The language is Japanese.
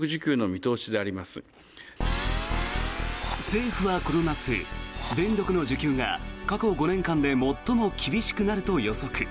政府はこの夏電力の需給が過去５年間で最も厳しくなると予測。